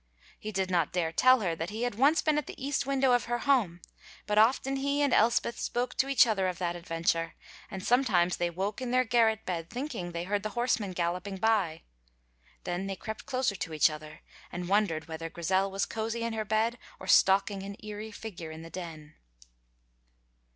He did not dare tell her that he had once been at the east window of her home, but often he and Elspeth spoke to each other of that adventure, and sometimes they woke in their garret bed thinking they heard the horseman galloping by. Then they crept closer to each other, and wondered whether Grizel was cosey in her bed or stalking an eerie figure in the Den.